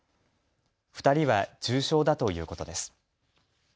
２人は重傷だということです。